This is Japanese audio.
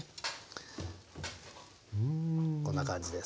こんな感じです。